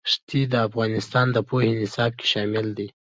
ښتې د افغانستان د پوهنې نصاب کې شامل دي.